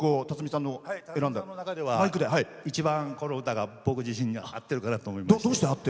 辰巳さんの中では一番この歌が僕自身に合ってるかなと思います。